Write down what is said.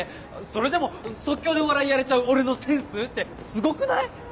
それでも即興でお笑いやれちゃう俺のセンスってすごくない？